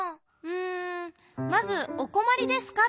うんまず「おこまりですか？」